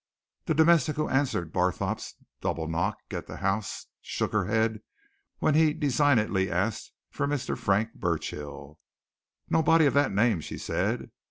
The domestic who answered Barthorpe's double knock at that house shook her head when he designedly asked for Mr. Frank Burchill. Nobody of that name, she said.